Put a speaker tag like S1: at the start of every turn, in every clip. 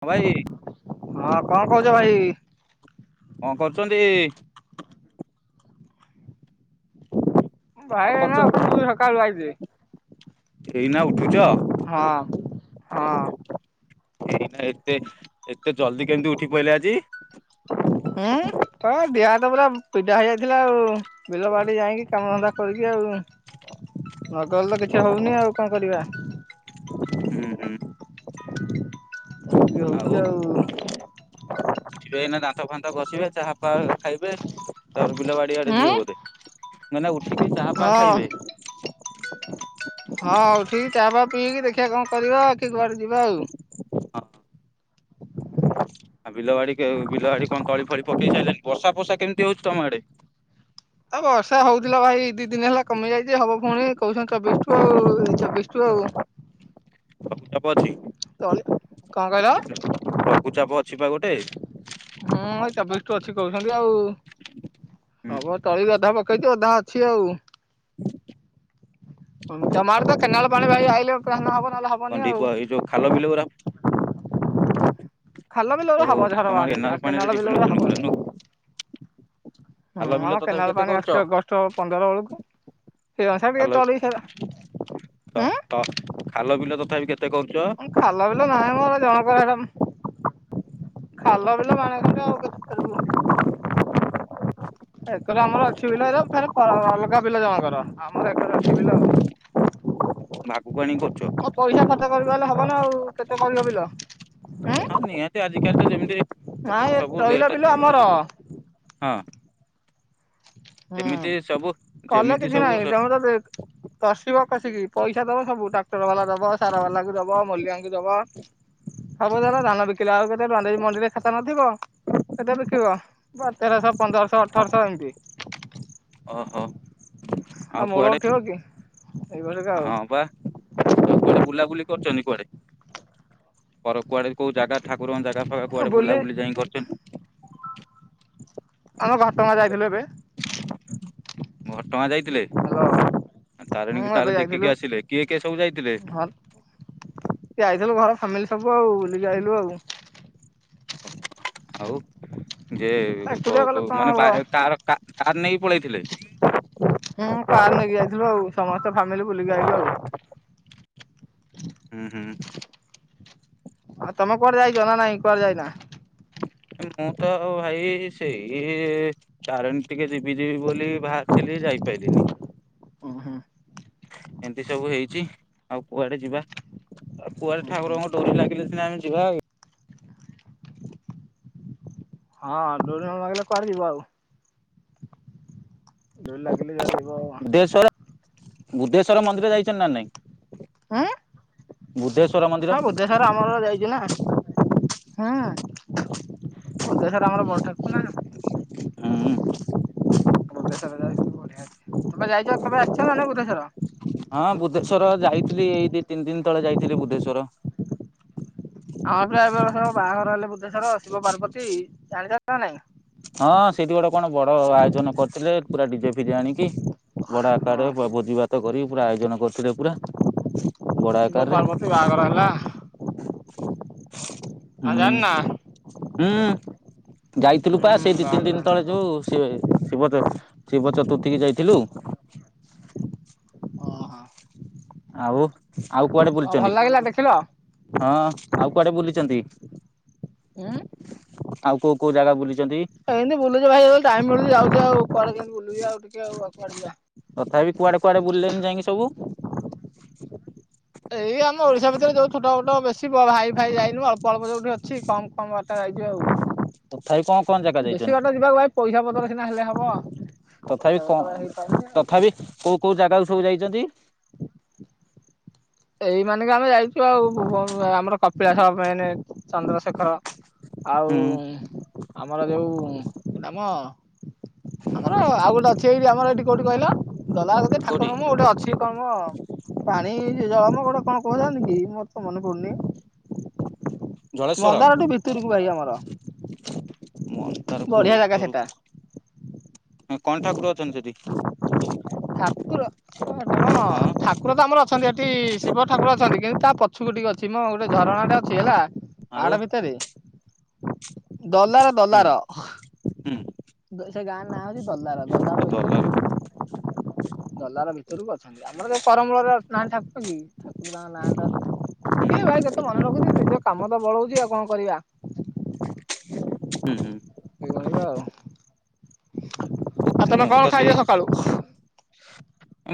S1: ହଁ ଭାଇ।
S2: ହଁ କଁ କଉଚ ଭାଇ?
S1: କଁ କରୁଚନ୍ତି? କଣ
S2: ଭାଇ ଏଇନା
S1: କରୁଛନ୍ତି?
S2: ଉଠୁଚୁ ସକାଳୁ ଆଇଚି।
S1: ଏଇନା ଉଠୁଚ?
S2: ହଁ
S1: ଏଇନା ଏତେ ଏତେ ଜଲ୍ଦି କେମ୍ତି ଉଠି ପଇଲେ ଆଜି?
S2: ଉଁ ହ ଦିହ ହାତ ପୁରା ପିଡା ହେଇ ଆଇଥିଲା ଆଉ ବିଲ ବାଡି ଯାଇକି କାମଧନ୍ଦା କରିକି ଆଉ ନଗଲେ ତ କିଛି ହଉନି ଆଉ କଁ କରିବା?
S1: ହୁଁ ହୁଁ।
S2: ଏମ୍ତି ହଉଚି ଆଉ।
S1: ଯିବେ ଏଇନା ଦାନ୍ତ ଫାନ୍ତ ଘସିବେ ଚାହା ଫାଆ ଖାଇବେ ତାପରେ ବିଲ ବାଡି ଆଡେ ଯିବେ ବୋଧେ, ମୁଁ ଏଇନା ଉଠିକି ଚାହା ଫାହା
S2: ହଁ
S1: ଖାଇବେ?
S2: ହଁ ଉଠିକି ଚାଆ ପା ପିଇକି, ଦେଖିଆ କଁ କରିବା କି କୁଆଡେ ଯିବା ଆଉ?
S1: ହଁ। ଆଉ ବିଲ ବାଡି କେବ ବିଲ ବାଡି କଁ ତଳି ଫଳି ପକେଇ ସାଇଲଣି, ବର୍ଷା ଫଷା କେମିତି ହଉଚି ତମ ଆଡେ?
S2: ଅ ବର୍ଷା ହଉଥିଲା ଭାଇ ଦି ଦିନ ହେଲା କମି ଯାଇଚି, ହବ ଫୁଣି କହୁଛନ୍ତି ଚବିଶ୍ ଠୁ ଆଉ ଏଇ ଚବିଶ୍ ଠୁ ଆଉ।
S1: ଲଘୁଚାପ ଅଛି।
S2: ତଳି କଁ କହିଲ?
S1: ଲଘୁଚାପ ଅଛି ପା ଗୋଟେ?
S2: ହୁଁ ଏ ଚବିଶ୍ ଠୁ ଅଛି କହୁଛନ୍ତି ଆଉ।
S1: ହୁଁ
S2: ହବ ତଳି ବି ଅଧା ପକେଇଛୁ ଅଧା ଅଛି ଆଉ। କଞ୍ଚାମାଲ ତ କେନାଲ ପାଣି ଭାଇ ଆଇଲେ ତ ଧାନ ହବ ନହେଲେ ହ
S1: କଣ ଢିପ ଏଇ ଯୋଉ ଖାଲ ବିଲଗୁରା
S2: ଖାଲ ବିଲରେ
S1: ଓହୋ
S2: ହବ ଝର
S1: ତମ ଆଡେ
S2: ବାହାରିକି ଆଉ
S1: କେନାଲ
S2: କେନାଳ
S1: ପାଣିରେ
S2: ବିଲରେ ହବନି।
S1: ଡିପେଣ୍ଡ [inaudible] ଖାଲ ବିଲ
S2: ହଁ
S1: ତଥାପି
S2: କେନାଲ
S1: କେତେ
S2: ପାଣି
S1: କରୁଛ?
S2: ଆସୁଚି ଅଗଷ୍ଟ ପନ୍ଦର ବେଳୁକୁ। ସେ ଆଶା ବି
S1: ଖାଲ
S2: [unintelligible]
S1: ତ ଥ ଖାଲ ବିଲ ତଥାପି କେତେ କରୁଚ?
S2: ଖାଲ ବିଲ ନାହିଁ ମୋର ଜଣଙ୍କର ସେଟା ଉଁହ୍।
S1: ହଁ।
S2: ଖାଲ ବିଲ ମାଣେ ଖଣ୍ଡେ ଆଉ କେତେ କରିବୁ।
S1: [unintelligible]
S2: ଏକରେ ଆମର ଅଛି ବିଲ [unintelligible] ଅ ଅଲଗା ବିଲ ଜଣଙ୍କର ଆମର ଏକରେ ଅଛି ବିଲ ଆଉ।
S1: ଆଗକୁ ଆଣିକି କରୁଛ
S2: ଆଉ ପଇସା ଖର୍ଚ୍ଚ କରିପାଇଲେ ହବ ନା ଆଉ କେତେ କରିବ ବିଲ ଏଁ।
S1: ତେ ଆଜିକାଲି ତ ଯେମିତି
S2: ନା ଏ
S1: ସବୁ ରେଟ୍
S2: ତଇଲ ବିଲ ଆମର।
S1: ହଁ।
S2: ହୁଁ
S1: ଯେମିତି ସବୁ
S2: କଲେ
S1: ଯେମିତି
S2: କିଛି
S1: ସବୁ
S2: ନାହିଁ
S1: ସ
S2: ତମର ଯେତ୍ କସିବ କସିକି ପଇସା ଦବ ସବୁ ଟ୍ରାକ୍ଟର ବାଲା ଦବ। ସାରବାଲାକୁ ଦବ ମୂଲିଆଙ୍କୁ ଦବ। ସବୁ ଧର ଧାନ ବିକିଲା ବେଳୁକୁ କେତେ ଟଙ୍କା ଦେଇ ମଣ୍ଡିରେ ଖାତା ନଥିବ କେତେ ବିକିବ। ବ ତେରଶ ପନ୍ଦରଶ
S1: ହଁ
S2: ଅଠରଶ ଏମତି।
S1: ଓହୋ ଆଉ
S2: ମୂଳ
S1: କୁଆଡେ
S2: ଉଠିବ କି? ଏଇଭଳିକା
S1: ହଁ
S2: ଆଉ
S1: ପା। କୁଆଡେ ବୁଲାବୁଲି କରିଛନ୍ତି କୁଆଡେ ଘର କୁଆଡେ କୋଉ ଜାଗା ଠାକୁରଙ୍କ ଜାଗା। [unintelligible] କୁଆଡେ
S2: ବୁଲି
S1: ବୁଲାବୁଲି ଯାଇଁକି କରିଛନ୍ତି।
S2: ଆମେ ଘଟଗାଁ ଯାଇଥିଲୁ ଏବେ।
S1: ଘଟଗାଁ ଯାଇଥିଲେ
S2: ହ୍ୟାଲୋ।
S1: ଆଁ
S2: ହୁଁ
S1: ତାରେଣୀଙ୍କି
S2: ଏବେ
S1: ତାହେଲେ
S2: ଯାଇଥିଲୁ
S1: ଦେଖିକି ଆସିଲେ କିଏ କିଏ ସବୁ ଯାଇଥିଲେ।
S2: ଯାଇଥେଲୁ ଘର ଫ୍ୟାମିଲି ସବୁ ଆଉ ବୁଲିକି ଆଇଲୁ ଆଉ।
S1: ଆଉ ଯେ କ
S2: ଏକୁଟିଆ ଗଲେ
S1: କ
S2: କଣ
S1: ମାନେ
S2: ହବ
S1: ବା ଏ କାର କା କାର୍ ନେଇକି ପଳେଇଥିଲେ।
S2: ହୁଁ କାର୍ ନେଇକି ଯାଇଥିଲୁ ଆଉ ସମସ୍ତ ଫାମିଲି ବୁଲିକି ଆଇଲୁ ଆଉ।
S1: ଉଁ ହୁଁ।
S2: ଆଉ ତମେ କୁଆଡେ ଯାଇଚ ନା ନାଇଁ କୁଆଡେ ଯାଇନା।
S1: ଏ ମୁଁ ତ ଭାଇ ସେଇ ତାରେଣୀ ଟିକେ ଯିବି ଯିବି ବୋଲି ଭାରଥିଲି ଯାଇପାଇଲିନି।
S2: ଉଁ ହୁଁ।
S1: ଏନ୍ତି ସବୁ ହେଇଛି ଆଉ କୁଆଡେ ଯିବା। ଆ କୁଆଡେ
S2: ଓହୋ
S1: ଠାକୁରଙ୍କ ଡୋରି ଲାଗିଲେ ସିନା ଆମେ ଯିବା ଆଉ।
S2: ହଁ ଡୋରି ନ ଲାଗିଲେ କୁଆଡେ ଯିବ ଆଉ। ଡୋରି ଲାଗିଲି ଯୁଆଡେ ଯିବ।
S1: ବୁଦ୍ଧେଶ୍ୱର ମନ୍ଦିର ଯାଇଛନ୍ତି ନା ନାଇଁ
S2: ଉଁ
S1: ବୁଦ୍ଧେଶ୍ଵର ମନ୍ଦିର।
S2: ଏଥର ଆମର ଯାଇଛି ନା। ହଁ ପ୍ରତେକ ଥର ଆମର ବୈଠକ ନା।
S1: ହୁଁ।
S2: ବୁଦ୍ଧେଶ୍ୱର ଯାଇଥିଲୁ ବଢିଆ ଅଛି ତମେ ଯାଇଚ ତମେ ଆସିଛ ନା ନାଇଁ ବୁଦ୍ଧେଶ୍ୱର।
S1: ହଁ ବୁଦ୍ଧେଶ୍ଵର ଯାଇଥିଲି ଏଇ ଦି ତିନି ଦିନ ତଳେ ଯାଇଥିଲି ବୁଦ୍ଧେଶ୍ଵର।
S2: ଆମ ପୁରା ଏଇ ବରଷ ବାହାଘର ହେଲେ ବୁଦ୍ଧେଶ୍ଵର ଶିବ ପାର୍ବତୀ ଜାଣିଚ ନା ନାଇଁ।
S1: ହଁ ସେଇଠି ଗୋଟେ କଣ ବଡ ଆୟୋଜନ କରିଥିଲେ ପୁରା ଡିଜେ ଫିଜେ ଆଣିକି। ବଡ
S2: ହଁ
S1: ଆକାରରେ ଭୋଜିଭାତ କରି ପୁରା ଆୟୋଜନ କରିୁଥିଲେ ପୁରା ବଡ
S2: ଶିବ
S1: ଆକାରରେ।
S2: ପାର୍ବତୀ ବାହାଘର ହେଲା।
S1: ହୁଁ
S2: ଆ ଜାଣିନା
S1: ହୁଁ ଯାଇଥିଲୁ
S2: ହୁଁ
S1: ପା ସେଇ ଦି ତିନି
S2: ବାହାଘର
S1: ଦିନ
S2: ହେଲାଣି
S1: ତଳେ
S2: ଆଉ
S1: ଯୋଉ ଶିବ ଶିବ ଚତୁର୍ଥୀି ଶିବ ଚତୁର୍ଥୀ କୁ ଯାଇଥିଲୁ। ଆଉ ଆଉ କୁଆଡେ
S2: ଓହୋ ଭଲ
S1: ବୁଲିଛନ୍ତି।
S2: ଲାଗିଲା ଦେଖିଲ
S1: ହଁ ଆଉ କୁଆଡେ ବୁଲିଚନ୍ତି
S2: ଉଁ
S1: ଆଉ କୋଉ କୋଉ ଜାଗା ବୁଲିଚନ୍ତି।
S2: ଏମିତି ବୁଲୁଚୁ ଭାଇ ଆଉ ଟାଇମ୍ ମିଳୁଛି ଯାଉ ଆଉ କୁଆଡେ ଯିବୁ ଆଉିକେଉ କୁଆେ ଯିବା।
S1: ତଥାପି କୁଆଡେ କୁଆଡେ ବୁଲିଲେନି ଯାଇକି ସବୁ।
S2: ଏଇ ଆମ ଓଡିଶା ଭିତରେ ଯୋଉ ଛୋଟ ବଟ ବେଶୀ ଭ ହାଇ ଫାଇ ଯାଇନୁ ଅଳ୍ପ ଅଳ୍ପ ଯୋଉଠି ଅଛି କମ କମ ବା ଆ ଯାଇଛି
S1: ତଥାପି କଣ କଣ ଜାଗା
S2: ଆଉ ବେଶୀ
S1: ଯାଇଛନ୍ତି?
S2: ବାଟ ଯିବାକୁ ଭାଇ ପଇସା ପତର ସିନା ହେଲେ ହବ ପଇସା
S1: ତଥାପି
S2: ପତ୍ର
S1: କଣ
S2: ହେଇପାରୁନି ଆଉ।
S1: ତଥାପି କୋଉ କୋଉ ଜାଗାକୁ ସବୁ ଯାଇଛନ୍ତି
S2: [inaudible] ଏଇ ମାନେ କି ଆମେ ଯାଇଛୁ ଆଉ ଆମର କପିଳାଶ ଅଫ ଏନେ ଚନ୍ଦ୍ରଶେଖର ଆଉ
S1: ହୁଁ
S2: ଆମର ଯୋଉ ନାମ ଆମର ଆଉ ଗୋଟେ ଅଛି ଏଇଠି ଆମର ଏଠି କୋଉଠି କହିଲ ଦଲାଲ୍ ଗେ
S1: କୋଉଠି
S2: ଠାକୁର ମୁ ଗୋଟେ ଅଛି କମ ପାଣି ଜଳମ ଗୋଟେ କଣ କହୁଚନ୍ତି କି ମୋର ତ ମନେ ପଡୁନି
S1: ଜଳେଶ୍ଵର
S2: ମନ୍ଦାରଠୁ ଭିତରକୁ ଭାଇ ଆମର।
S1: ତାର ପୁ
S2: ବଢିଆ ଜାଗା ସେଟା।
S1: ଭିତରୁକୁ ହଁ କଣ ଠାକୁର ଅଛନ୍ତି ସେଠି?
S2: ଠାକୁର ଅ ହଁ ଠାକୁର ତ ଆମର ଅଛ ଅଛନ୍ତି ଏଠି ଶିବ ଠାକୁର ଅଛନ୍ତି କିନ୍ତୁ ତା ପଛୁକୁ ଟିକେ ଅଛି ମ ଗୋଟେ ଝରଣାଟେ ଅଛି ହେଲା
S1: ଆଉ
S2: ପାହାଡ ଭିତରେ ଦଲାର
S1: ହୁଁ
S2: ଦଲାର
S1: ହୁଁ
S2: ମୁଁ କହିଲି ସେ ଗାଁର ନାଁ ହଉଚି ଦଲାର ଦଲାର ଭିତର ଦଲାର ଭିତରକୁ ଅଛନ୍ତି ଆମର ସେଇ କରମୂଳରେ ନାହାଁନ୍ତି ଠାକୁର କି ନାଁ ନାଁ ଟା ମନେନାହିଁ
S1: ହୁଁ
S2: କିଏ
S1: ହୁଁ
S2: ଭାଇ କେତେ ମନେ ରଖୁଛି ନିଜ କାମ ତ ବଳଉଛି ଆଉ କଣ କରିବା
S1: ହୁଁ।
S2: ଏଇ ଗଳି ତ ଆଉ ଆଉ ତମେ
S1: ମୁଁ ତ
S2: କଣ
S1: ସେଇ
S2: ଖାଇଛ ସକାଳୁ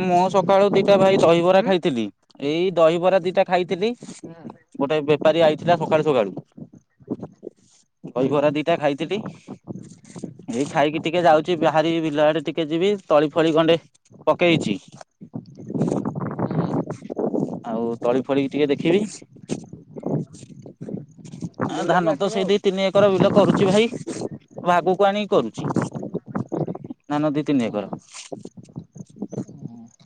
S1: ମୁଁ ସକାଳୁ ଦିଟା ଭାଇ ଦହିବରା
S2: ହୁଁ?
S1: ଖାଇଥିଲି ଏଇ ଦହିବରା ଦିଟା ଖାଇଥିଲି
S2: ହୁଁ
S1: ଗୋଟେ ବେପାରୀ ଆଇଥିଲା ସକାଳୁ
S2: ହୁଁ
S1: ସକାଳୁ ଦହିବରା ଦି ଦିଟା ଖାଇଥିଲି ଏଇ ଖାଇକି ଟିକେ
S2: ହୁଁ
S1: ଯାଉଚି ବାହାରିବି ବିଲ ଆଡେ ଟିକେ ଯିବି ତଳି ଫଳି ଗଣ୍ଡେ ପକେଇଚି ଆଉ ତଳି ଫଳିକି ଟିକେ ଦେଖିବି ଆ
S2: ବୁଲି ବୁଲାକି
S1: ଧାନ ତ
S2: ଆସିବ
S1: ସେଇ
S2: ଆଉ।
S1: ଦି ତିନି ଏକର ବିଲ କରୁଚି ଭାଇ ଭାଗକୁ ଆଣିକି କରୁଚି। ନା ନ ଦି ତିନି ଏକର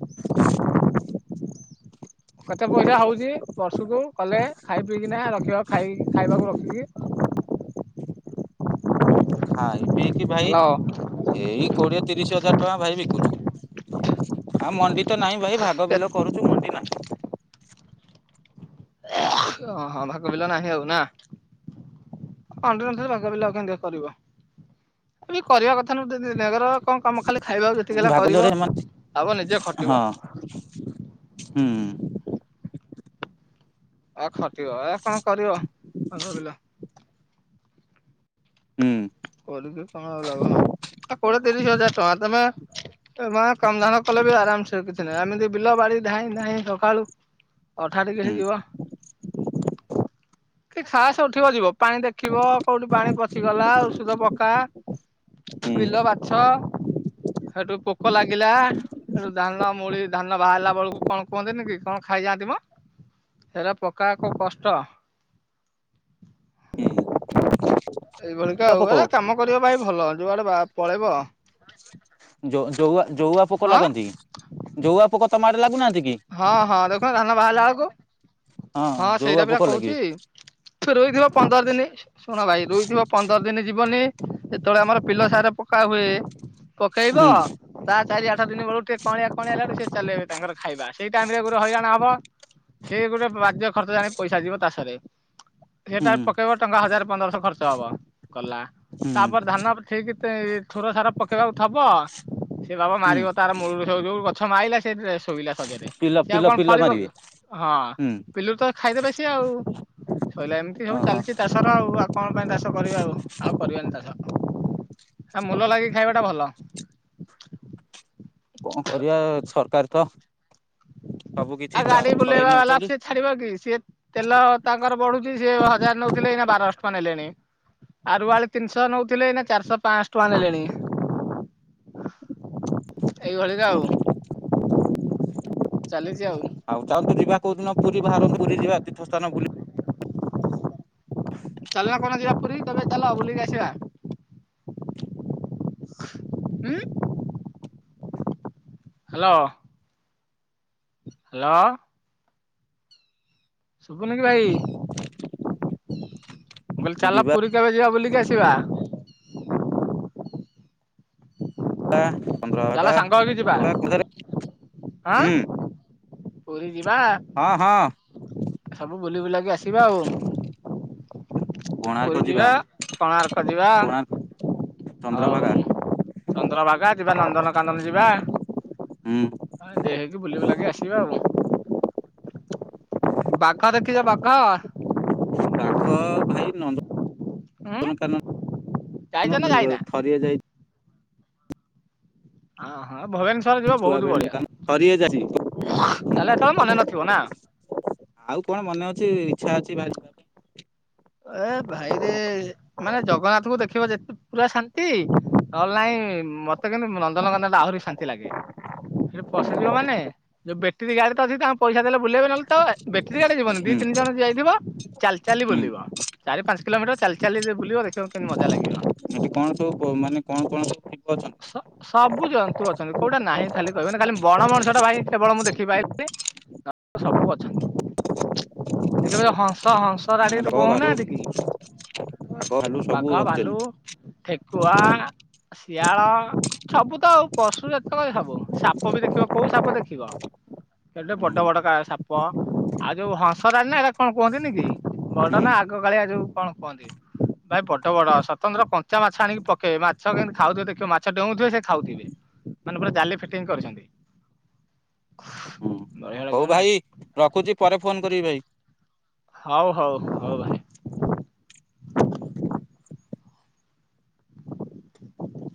S2: କେତେ ପଇସା ହଉଛି ବର୍ଷକୁ କଲେ ଖାଇ ପିଇକିନା ରଖିବା ଖାଇ ଖାଇବାକୁ ରଖିକି
S1: ଖାଇ ପିଇକି ଭାଇ
S2: ହ୍ୟାଲୋ।
S1: ଏଇ କୋଡିଏ ତିରିଶ ହଜାର ଟଙ୍କା ଭାଇ ବିକୁଛୁ। ଆଉ ମଣ୍ଡି ତ ନାହିଁ ଭାଇ ଭାଗ ବିଲ କରୁଛୁ ମଣ୍ଡି ନାହିଁ।
S2: ଓହଁ ଭାଗବିଲ ନାହିଁ ଆଉ ନା [unintelligible] ରେ ଭାଗ ବିଲ ଆଉ କେମିତି କରିବ କରିବା କଥା ନୁହେଁ କଣ କାମ ଖାଲି ଖାଇବାକୁ
S1: ନାହିଁ
S2: ଯେତିକିଲା
S1: ଭାଗରେ
S2: କରିବ
S1: ଏମାନେ
S2: ଆବ ନିଜେ ଖଟିବ
S1: [unintelligible] ହୁଁ
S2: ଆ ଖଟିବ ଆ କଣ କରିବିଲ
S1: ହୁଁ
S2: କରିକି କନ ଅଉ ଲାଭ? କୋଡିଏ ତିରିଶ ହଜାର ଟଙ୍କା ତମେ କମଧାନ କଲେ ବି ଆରାମସେ କୀ ଏମିତି ବିଲ ବାଡ଼ି ଧାଇଁ ଧାଇଁ ସକାଳୁ ଅଠା ଟିକେ
S1: ହୁଁ
S2: ହେଇ ଯିବ। ସେ ଖାସ ଉଠିବବା ଯିବ। ପାଣି ଦେଖିବ କୋଉଠି ପାଣି ପଚିଗଲା ଔଷଧ ପକା
S1: ହୁଁ
S2: ବିଲ ବା ଛ ସେଠୁ ପୋକ ଲାଗିଲା। ସେଠୁ ଧାନ ମୁଳି ଧାନ ବାହାରିଲା ବେଳକୁ କଣ କୁହନ୍ତିନ କି କଣ ଖାଇଯାଆନ୍ତି ମ? ସେଇଟା ପକା ଏକ କଷ୍ଟ,
S1: ହୁଁ
S2: ଏଇଭଳିିକା ଆଉ
S1: ପୋକ
S2: ଏ କାମ କରିବ ଭାଇ ଭଲ ଯୁଆଡେ ପଳେଇବ
S1: ଜଉ ଜଉଆ ପୋକ
S2: ହଁ।
S1: ଲାଗନ୍ତି, ଜଉଆ ପୋକ ତମଡେ ଲାଗୁନାହାନ୍ତି କି?
S2: ହଁ ହଁ ଦେଖୁନ ଧାନ ବାହାରିଲା ଆଳକୁ। ହଁ
S1: ଜଉଆ
S2: ସେଇଟା ପିଲା
S1: ପୋକ ଲାଗିବେ
S2: କହୁଛି ରହିଥିବ ପନ୍ଦର ଦିନ ଶୁଣ ଭାଇ ରୋଇଥିବ ପନ୍ଦର ଦିନ ଯିବନି ଯେତେବେଳେ ଆମର ପିଲ ସାର ପକା ହୁଏ ପକେଇବ
S1: ହୁଁ
S2: ତା ଚାରି ଆଠ ଦିନ ବେଳକୁ ଟିକେ କଅଁଳିଆ କଅଁଳିଆ ହେଲକୁ ସିଏ ଚଲେଇବେ ତାଙ୍କର ଖାଇବା ସେଇ ଟାଇମ ରେ ଗୁରେ ହଇରାଣ ହବ। ସେ ଗୋଟେ ବାଜ୍ୟ ଖର୍ଚ ଜାଣି ପଇସା ଯିବ ତାଷରେ। ସେଟା
S1: ହୁଁ
S2: ପକେଇବ ଟଙ୍କା ହଜାର ପନ୍ଦରଶହ ଖର୍ଚ୍ଚ ହବ। ଗଲା।
S1: ହୁଁ
S2: ତାପରେ ଧାନ ଠିକ ଥୋର ସାରା ପକେଇବାକୁ ଥବ ସେ ବାବା
S1: ହୁଁ
S2: ମାରିବ ତାର ମୂଳ ସବୁ ଯୋଉ ଗଛ ମାରଲା ସେଠ ଶୋଇଲା ସଜରେ
S1: ପିଲ
S2: ସେ ଆଉ
S1: ପିଲ
S2: କଣ
S1: ପିଲ
S2: ଫଳିବ
S1: ମାରିବେ
S2: କି। ହଁ।
S1: ହୁଁ
S2: ପିଲିରୁ ତ ଖାଇଦେବେ ସିଏ ଆଉ। ସଇଲା ଏମିତି ସବୁ
S1: ଓହୋ
S2: ଚାଲିଛି ଚାଷର ଆଉ ଆ କଣ ପାଇଁ ଚାଷ କରିବା ଆଉ, ଆଉ କରିବାନି ଚାଷ। ଆ ମୂଲ ଲାଗିକି ଖାଇବାଟା ଭଲ।
S1: କଣ କରିବା ସରକାର ତ ସବୁ କିଛି
S2: ଆଉ ଗାଡି
S1: ଛଡେଇ
S2: ବୁଲେଇବା ବାଲା
S1: ନଉଛନ୍ତି
S2: ସିଏ ଛାଡିବ କି? ସିଏ ତେଲ ତାଙ୍କର ବଢୁଛି ସେଏ ହଜାର ନେଉଥିଲେ ଏଇନା ବାରଶହ ଟଙ୍କା ନେଲେଣି। ଆ ରୁଆଳି ତିନିଶହ ନଉଥିଲେ ଏଇନା ଚାରିଶହ ପାଁଶହ ଟଙ୍କା ନେଲେଣି। ଏଇଭଳିଆ ଆଉ। ଚାଲିଚି ଆଉ।
S1: ଆଉ ଚାନ୍ତୁ ଯିବା କଉଦ ଦିନ ପୁରୀ ବାହାରନ୍ତୁ ବୁଲି ଯିବା ତୀର୍ଥ ସ୍ଥାନ ବୁଲି
S2: ଚାଲନା କୋଉଦିନ ଯିବା ପୁରୀ ତବେ ଚାଲ ବୁଲିକି ଆସିବା। ଉଂ ହାଲୋ। ହଲୋ? ଶୁଭୁନି କି ଭାଇ? ମୁଁ କହିଲି ଚାଲା
S1: ଯିବା
S2: ପୁରୀ କେବେ ଯିବା ବୁଲିକି ଆସିବା।
S1: ବା
S2: ଚାଲ ସାଙ୍ଗ ହେଇକି ଯିବା।
S1: ହୁଁ
S2: ଆଁ? ପୁରୀ ଯିବା
S1: ହଁ ହଁ
S2: ସବୁ ବୁଲି ବୁଲାକି ଆସିବା ଆଉ। ପୁରୀ ଯିବା କୋଣାର୍କ ଯିବା।
S1: କୋଣାର୍କ
S2: ଆଉ
S1: ଚନ୍ଦ୍ରଭାଗା
S2: ଚନ୍ଦ୍ରବାଗା ଯିବା ନନ୍ଦନକାନନ ଯିବା।
S1: ହୁଁ।
S2: ଦେ ହେଇକି ବୁଲି ବୁଲାକି ଆସିବା ଆଉ। ବାଘ ଦେଖିଛ ବାଘ?
S1: ବାଘ ଭାଇ ନନ୍ଦ
S2: ଉଁ
S1: ନ କାନନ
S2: ଯାଇଛ ନା ଯାଇନା
S1: ଯିବାକୁ ଥରିଏ ଯାଇଛି।
S2: ହଁ ହଁ ଭବାନ
S1: ଛୁଆ ବେଳେ [unintelligible] ଥରିଏ ଯାଉଚି।
S2: ତାହେଲେ ଏତେବେଳେ ମନେ ନଥିବ ନା?
S1: ଆଉ କଣ ମନେ ଅଛି ଇଚ୍ଛା ଅଛି ଭାରି ପାଇଁ
S2: ଏ ଭାଇରେ ମାନେ ଜଗନ୍ନାଥଙ୍କୁ ଦେଖିବ ଯେତେ ପୁରା ଶାନ୍ତି ନହେଲେ ନାଇଁ ମତେ କିନ୍ତୁ ନନ୍ଦନଗନା ଟା ଆହୁରି ଶାନ୍ତି ଲାଗେ। ସେଠି ପଶିଯିବ ମାନେ ଯୋଉ ବେଟ୍ରୀ ଗାଈ ତ ଅଛି ତାଙ୍କୁ ପଇସା ଦେଲେ ବୁଲେଇବେ ନହଲେ ତ ବେଟର ଆଡେ ଯିବନି ଦି
S1: ହୁଁ
S2: ତିନି ଜଣ ଯାଇଥିବ ଚାଲି ଚାଲି
S1: ହୁଁ
S2: ବୁଲିବ। ଚାରି ପାଞ୍ଚ କିଲୋମିଟର ଚାଲି ଚାଲି ବୁଲିବ ଦେଖିବ କେମିତି ମଜା ଲାଗିବ।
S1: ଏଠି କଣ ସବୁ ମାନେ କଣ କଣ ସବୁ ଟିକ ଅଛନ୍ତି?
S2: ସବୁ ଜନ୍ତୁ ଅଛନ୍ତି କୋଉଟା ନାହିଁ ଖାଲି କହିବେ ନା ଖାଲି ବଣ ମଣିଷଟା ଭାଇ କେବଳ ମୁଁ ଦେଖିପାଇଲିନି। ନହେଲେ ସବୁ ଅଛନ୍ତି ସେଥିବେ ହଂସ ହଂସ [unintelligible]
S1: ବାଘ ଭାଲୁ
S2: କହୁନାହାନ୍ତି କି
S1: ବାଘ ଭାଲୁ ସବୁ
S2: ବାଘ ଭାଲୁ
S1: ରଖିଛନ୍ତି
S2: ଠେ କୁଆ ଶିଆଳ ସବୁ ତ ଆଉ ପଶୁ ଜାତ କହ ସବୁ ସାପ ବି ଦେଖିବ କୋଉ ସାପ ଦେଖିବ ଏଟ ପଟ
S1: ହୁଁ
S2: ବଟକା ସାପ। ଆଉ ଯୋଉ ହଂସଡାଳ ନା ଏଇଟା କଣ କୁହନ୍ତିନ କି ବଡ
S1: ହୁଁ
S2: ନା ଆଗକାଳିଆ ଯୋଉ କଣ କୁହନ୍ତି। ଭାଇ ବଡ ବଡ ସ୍ୱତନ୍ତ୍ର କଞ୍ଚା ମାଛ ଆଣିକି ପକେଇ ମାଛ କେମତି ଖାଉଥିବେ ଦେଖିବେ ମାଛ ଡେଉଥିବେ ସେ ଖାଉଥିବେ ମାନେ ପୁରା ଜାଲି ଫିଟିଙ୍ଗ କରୁଛନ୍ତି।
S1: ହୁଁ
S2: ବଢିଆ ଲାଗିବ
S1: ହଉ
S2: ନା
S1: ଭାଇ ରଖୁଛି ପରେ ଫୋନ କରିବି ଭାଇ।
S2: ହଉ ହଉ ହଉ ଭାଇ।